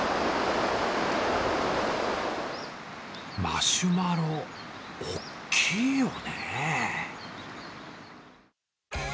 マシュマロ、大きいよね。